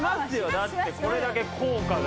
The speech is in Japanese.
だってこれだけ効果が。